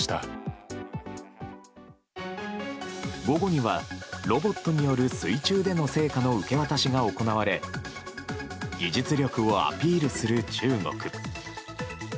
午後にはロボットによる水中での聖火の受け渡しが行われ技術力をアピールする中国。